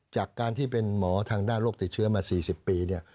จากการที่เป็นหมอทางด้านโรคติดเชื้อมา๔๐ปีเนี่ย